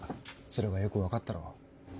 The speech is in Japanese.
それがよく分かったろう。